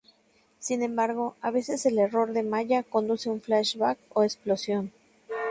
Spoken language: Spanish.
Sin embargo, a veces el error de malla, conduce a un flash-back o explosión.